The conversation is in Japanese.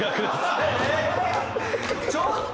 ・ちょっと！